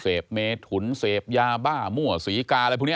เมถุนเสพยาบ้ามั่วศรีกาอะไรพวกนี้